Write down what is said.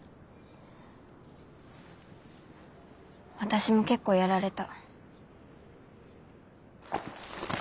私も結構やられた。